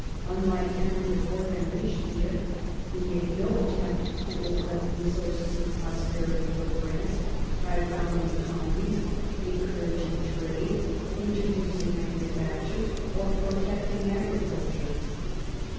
Unlike Henry IV. and Richelieu, he made no attempt to open up new sources of prosperity for France, by found ing colonies, encouraging trade, introducing manufactures, or protecting agriculture.